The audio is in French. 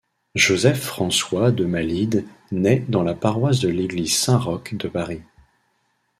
Joseph François de Malide nait dans la paroisse de l'église Saint-Roch de Paris.